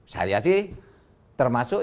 saya sih termasuk